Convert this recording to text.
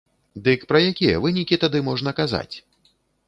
Дык пра якія вынікі тады можна казаць?